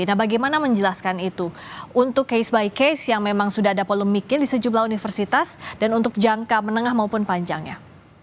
nah bagaimana menjelaskan itu untuk case by case yang memang sudah ada polemiknya di sejumlah universitas dan untuk jangka menengah maupun panjangnya